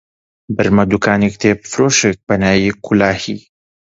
بردمیە دووکانی کتێبفرۆشێک بە ناوی کولاهی